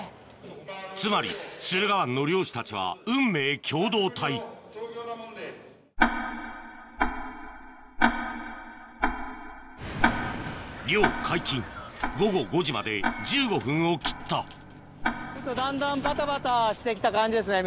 つまり駿河湾の漁師たちは漁解禁午後５時まで１５分を切っただんだんバタバタして来た感じですね